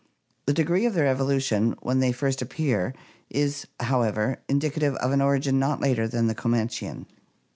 The degree of their evolution when they first appear is, however, indicative of an origin not later than the Co manchian.